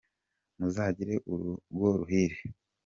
Muzagire urugo ruhire.